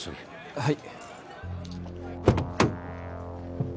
はい。